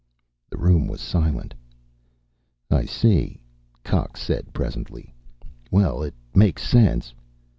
The room was silent. "I see," Cox said presently. "Well, it makes sense."